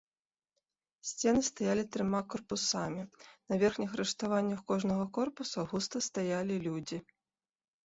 Сцены стаялі трыма карпусамі, на верхніх рыштаваннях кожнага корпуса густа стаялі людзі.